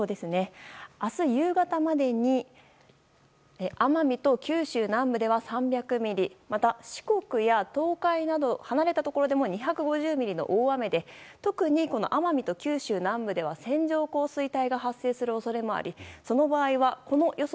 明日夕方までに奄美と九州南部では３００ミリまた、四国や東海など離れたところでも２５０ミリの大雨で特に奄美と九州南部では線状降水帯が発生する恐れもありその場合はこの予想